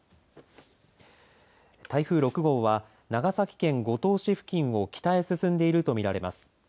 台風６号は長崎県五島市付近を北へ進んでいると見られます。